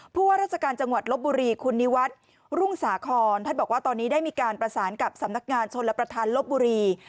ว่าราชการจังหวัดลบบุรีคุณนิวัฒน์รุ่งสาคอนท่านบอกว่าตอนนี้ได้มีการประสานกับสำนักงานชนรับประทานลบบุรี